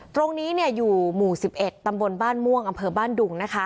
ตรงนี้อยู่หมู่๑๑ตำบลบ้านม่วงอำเภอบ้านดุง